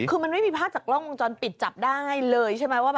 คือมันไม่มีภาพจากกล้องวงจรปิดจับได้เลยใช่ไหมว่า